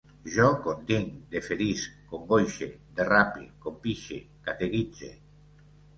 Jo continc, deferisc, congoixe, derrape, compixe, catequitze